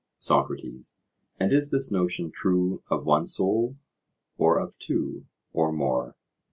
SOCRATES: And is this notion true of one soul, or of two or more?